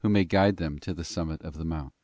may guide them to the summit of the mount.